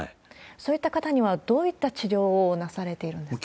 そういった方にはどういった治療をなされているんですか？